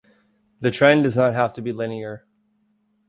The trend does not have to be linear.